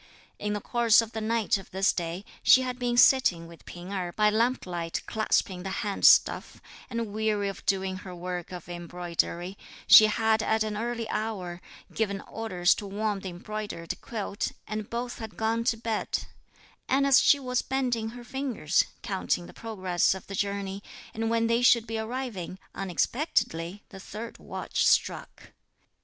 In the course of the night of this day, she had been sitting with P'ing Erh by lamp light clasping the hand stove; and weary of doing her work of embroidery, she had at an early hour, given orders to warm the embroidered quilt, and both had gone to bed; and as she was bending her fingers, counting the progress of the journey, and when they should be arriving, unexpectedly, the third watch struck.